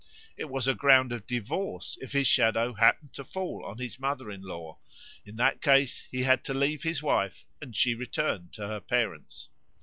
It was a ground of divorce if his shadow happened to fall on his mother in law: in that case he had to leave his wife, and she returned to her parents.